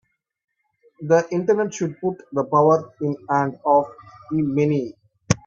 The Internet should put the power in the hands of the many